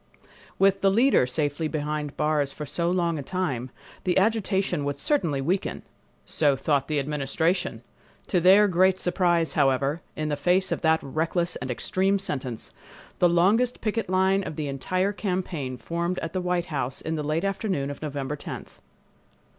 With the "leader" safely behind the bars for so long a time, the agitation would certainly weaken! So thought the Administration! To their great surprise, however, in the face of that reckless and extreme sentence, the longest picket line of the entire campaign formed at the White House in the late afternoon of November 10th.